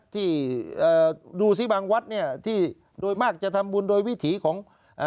ที่ดูสิบางวัดเนี่ยที่โดยมากจะทำบุญโดยวิถีของ